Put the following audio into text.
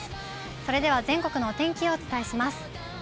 それでは全国のお天気をお伝えします。